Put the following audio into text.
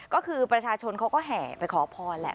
ก็คือประชาชนเขาก็แห่ไปขอพรแหละ